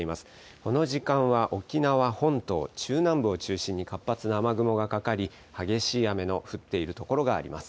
この時間は沖縄本島中南部を中心に活発な雨雲がかかり、激しい雨の降っている所があります。